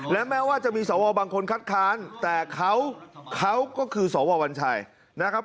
และแม้ว่าจะมีสวบางคนคัดค้านแต่เขาก็คือสววัญชัยนะครับ